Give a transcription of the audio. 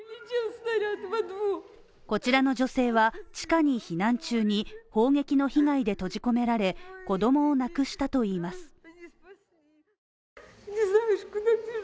こちらの女性は地下に避難中に砲撃の被害で閉じ込められ、子供を亡くしたといいます。